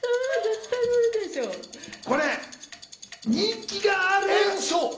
これ人気がある。